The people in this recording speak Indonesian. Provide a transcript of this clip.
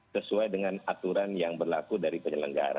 sesuai dengan aturan yang berlaku dari penyelenggara